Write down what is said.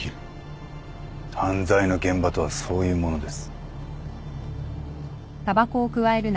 犯罪の現場とはそういうものです。